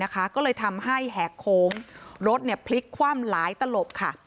ก็เลยทำให้แหกโค้งรถพลิกคว่ำหลายตลบค่ะ